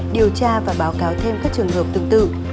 điều tra và báo cáo thêm các trường hợp tương tự